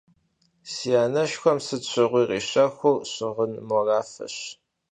Си анэшхуэм сыт щыгъуи къищэхур щыгъын морафэщ.